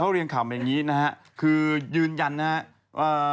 เค้าเรียงคำอย่างนี้คือยืนยันใช่มั้ยนะครับ